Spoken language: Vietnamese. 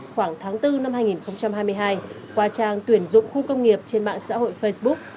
khoảng tháng bốn năm hai nghìn hai mươi hai qua trang tuyển dụng khu công nghiệp trên mạng xã hội facebook